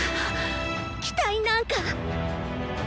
期待なんか。